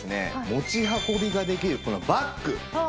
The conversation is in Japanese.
持ち運びができるこのバッグ